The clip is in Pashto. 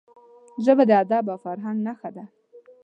ژبه د ادب او فرهنګ نښانه ده